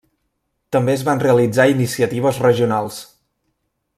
També es van realitzar iniciatives regionals.